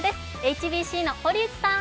ＨＢＣの堀内さん。